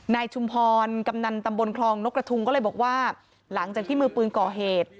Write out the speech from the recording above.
ชุมพรกำนันตำบลคลองนกกระทุงก็เลยบอกว่าหลังจากที่มือปืนก่อเหตุ